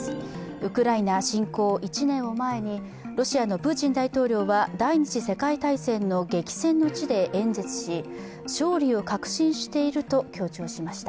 ウクライナ侵攻１年を前に、ロシアのプーチン大統領は第二次世界大戦の激戦の地で演説し勝利を確信していると強調しました。